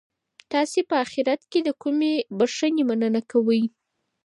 تاسي په اخیرت کي د کومې بښنې مننه کوئ؟